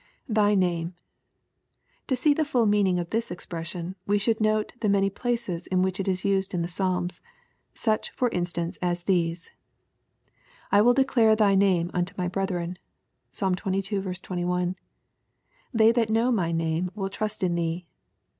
[Thy name.] To see the full meamng of this expression, we should note the many places in which it is used in the Psalms. Such, for instance, as these, " I vnll declare thy name unto my brethren." Psalm xxii. 21. —" They that know thy name wiD trust in thee."